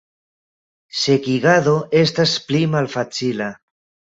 Sekigado estas pli malfacila.